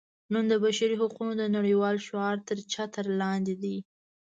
نن د بشري حقونو د نړیوال شعار تر چتر لاندې دي.